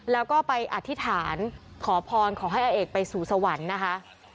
แล้วก็ไปอธิษฐานขอพรขอให้อาเอกไปสู่สวรรค์นะคะ